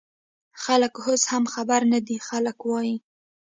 خلک اوس هم خبر نه دي، خلک وايي